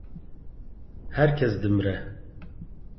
Her kes dimire.